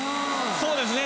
そうですね